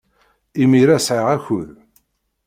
Imir-a, sɛiɣ akud.